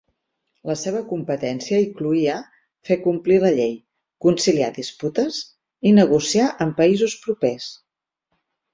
La seva competència incloïa fer complir la llei, conciliar disputes i negociar amb països propers.